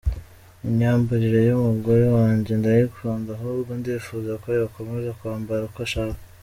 Imyambarire y’umugore wanjye ndayikunda ahubwo ndifuza ko yakomeza kwambara uko ashaka.